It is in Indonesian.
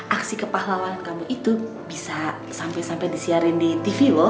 aksi kepahlawan kamu itu bisa sampai sampai disiarin di tv loh